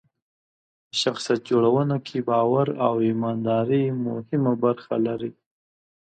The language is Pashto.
په شخصیت جوړونه کې باور او ایمانداري مهمه برخه لري.